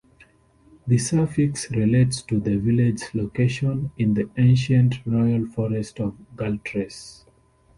The suffix relates to the village's location in the ancient Royal Forest of Galtres.